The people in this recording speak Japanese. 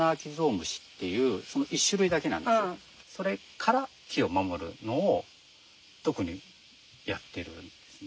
それから木を守るのを特にやってるんですね。